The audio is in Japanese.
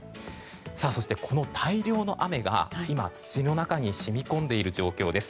そして、大量の雨が今、土の中に染み込んでいる状況です。